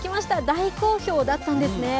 大好評だったんですね。